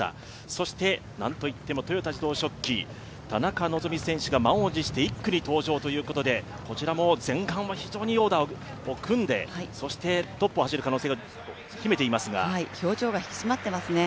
そしてなんといっても豊田自動織機、田中希実選手が満を持して１区に登場ということで、こちらも前半は非常にいいオーダーを組んで、表情は引き締まっていますね。